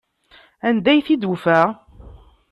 Anda ay t-id-tufa?